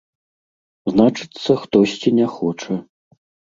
Значыцца, хтосьці не хоча.